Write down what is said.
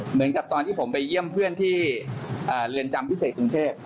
เหมือนกับตอนที่ผมไปเยี่ยมเพื่อนที่เรือนจำพิเศษกรุงเทพ